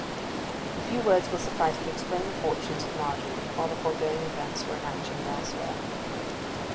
A few words will suffice to explain the fortunes of Margery while the foregoing events were in action elsewhere.